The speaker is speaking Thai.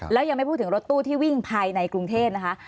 แล้วยังไม่พูดถึงรถตู้ที่วิ่งภายในกรุงเทพนะคะ